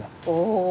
おお。